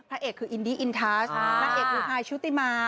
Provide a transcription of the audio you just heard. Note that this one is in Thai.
เอกคืออินดี้อินทัชนางเอกคือฮายชุติมา